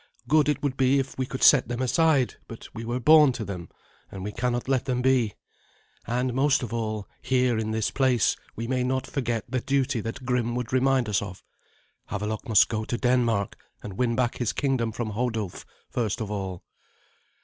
"Good it would be if we could set them aside; but we were born to them, and we cannot let them be. And, most of all, here in this place we may not forget the duty that Grim would remind us of. Havelok must go to Denmark and win back his kingdom from Hodulf first of all."